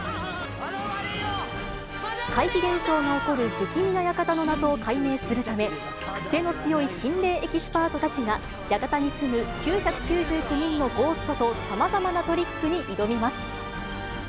怪奇現象が起こる不気味な館の謎を解明するため、クセの強い心霊エキスパートたちが、館に住む９９９人のゴーストと、さまざまなトリックに挑みます。